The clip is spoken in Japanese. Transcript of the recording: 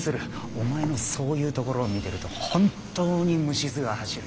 お前のそういうところを見てると本当に虫ずが走るよ。